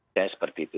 ya seperti itu